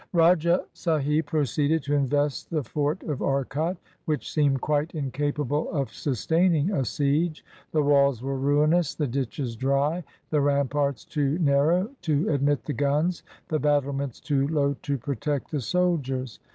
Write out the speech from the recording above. Rajah Sahib proceeded to invest the fort of Arcot, which seemed quite incapable of sustaining a siege. The walls were ruinous, the ditches dry, the ramparts too narrow to admit the guns, the battlements too low to protect the soldiers.